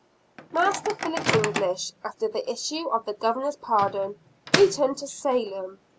Master Philip English, after the issue of the Governor's pardon, returned to Salem.